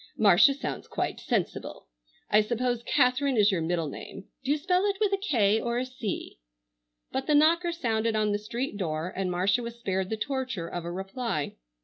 Marcia sounds quite sensible. I suppose Katharine is your middle name. Do you spell it with a K or a C?" But the knocker sounded on the street door and Marcia was spared the torture of a reply.